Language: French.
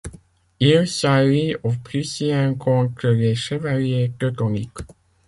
Il s’allie aux Prussiens contre les Chevaliers Teutoniques.